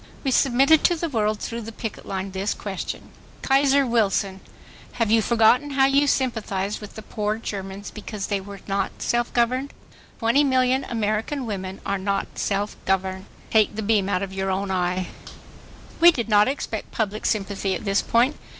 We submitted to the world, through the picket line, this question: KAISER WILSON HAVE YOU FORGOTTEN HOW YOU SYMPATHIZED WITH THE POOR GERMANS BECAUSE THEY WERE NOT SELF GOVERNED? 20,000,000 AMERICAN WOMEN ARE NOT SELF GOVERNED. TAKE THE BEAM OUT OF YOUR OWN EYE. We did not expect public sympathy at this point.